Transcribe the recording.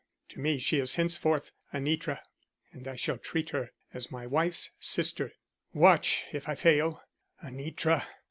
To me she is henceforth Anitra, and I shall treat her as my wife's sister. Watch if I fail. Anitra!